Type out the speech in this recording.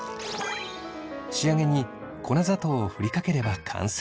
仕上げに粉砂糖をふりかければ完成です。